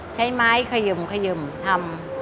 ใช้ไม้ขยึ่มทำ